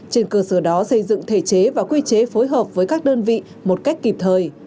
trên cơ sở đó xây dựng thể chế và quy chế phối hợp với các đơn vị một cách kịp thời